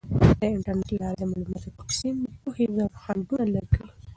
د انټرنیټ له لارې د معلوماتو تقسیم د پوهې خنډونه لرې کوي.